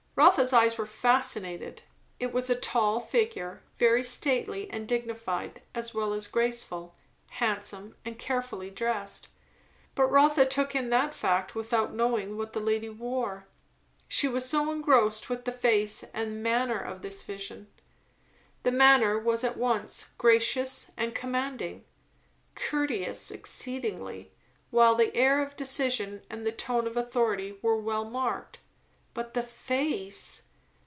Rotha's eyes were fascinated. It was a tall figure, very stately and dignified as well as graceful; handsomely and carefully dressed; but Rotha took in that fact without knowing what the lady wore, she was so engrossed with the face and manner of this vision. The manner was at once gracious and commanding; courteous exceedingly, while the air of decision and the tone of authority were well marked. But the face!